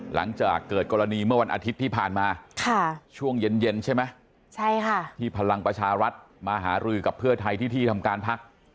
หลังจากเกิดกรณีเมื่อวันอาทิตย์ที่ผ่านมาช่วงเย็นใช่ไหมที่พลังประชารัฐมาหารือกับเพื่อไทยที่ที่ทำการพัก